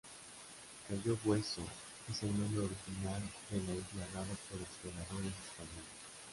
Cayo Hueso es el nombre original de la isla dado por exploradores españoles.